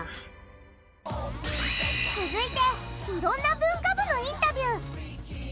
続いて色んな文化部のインタビュー。